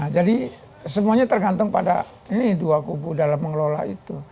jadi semuanya tergantung pada ini dua kubu dalam mengelola itu